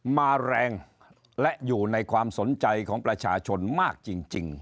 มาแรงและอยู่ในความสนใจของประชาชนมากจริง